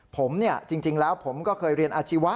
ผมจริงแล้วผมก็เคยเรียนอาชีวะ